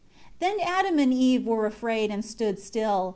1 Then Adam and Eve were afraid, and stood still.